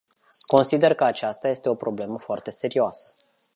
Consider că aceasta este o problemă foarte serioasă.